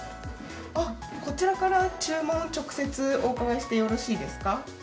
あっ、こちらから注文を直接お伺いしてよろしいですか？